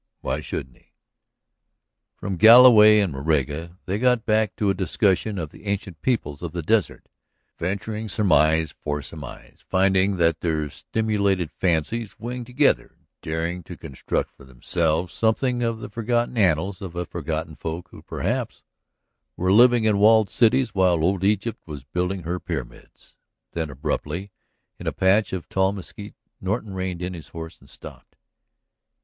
Why shouldn't he?" From Galloway and Moraga they got back to a discussion of the ancient peoples of the desert, venturing surmise for surmise, finding that their stimulated fancies winged together, daring to construct for themselves something of the forgotten annals of a forgotten folk who, perhaps, were living in walled cities while old Egypt was building her pyramids. Then, abruptly, in a patch of tall mesquite, Norton reined in his horse and stopped.